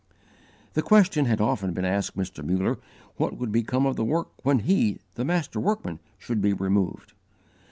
The question had often been asked Mr. Muller what would become of the work when he, the master workman, should be removed.